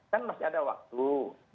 kan masih ada waktu